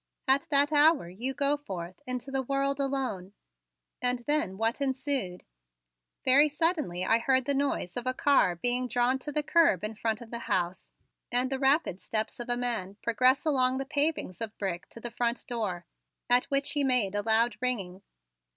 "At that hour you go forth into the world alone." And then what ensued? Very suddenly I heard the noise of a car being drawn to the curb in front of the house and the rapid steps of a man progress along the pavings of brick to the front door, at which he made a loud ringing.